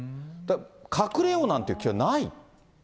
隠れようなんていう気はない。